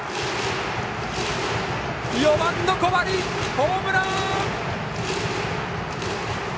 ４番の小針、ホームラン！